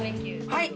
はい。